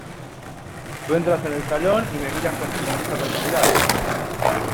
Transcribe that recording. Tú entras en el salón y me miras con tu sonrisa particular.